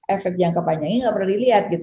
efek jangka panjangnya gak pernah dilihat